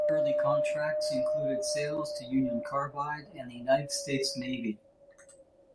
Early contracts included sales to Union Carbide and the United States Navy.